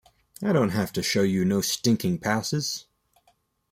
I don't have to show you no stinking passes!